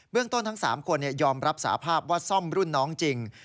เรื่องต้นทั้ง๓คนยอมรับสาภาพว่าซ่อมรุ่นน้องจริง